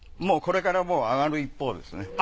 これからもう上がる一方ですね。